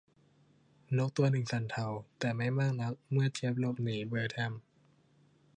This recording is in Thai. นกตัวหนึ่งสั่นเทา แต่ไม่มากนักเมื่อเจี๊ยบหลบหนีเบอร์แทรม